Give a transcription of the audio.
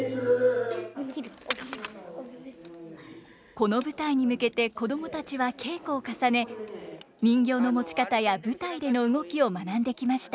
この舞台に向けて子供たちは稽古を重ね人形の持ち方や舞台での動きを学んできました。